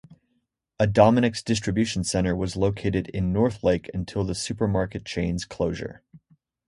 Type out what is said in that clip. A Dominick's distribution center was located in Northlake until the supermarket chain's closure.